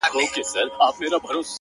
ه بيا به دې څيښلي وي مالگينې اوبه _